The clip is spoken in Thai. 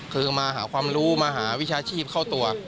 คือมาหาความรู้มาหาวิชาชีพเข้าตัว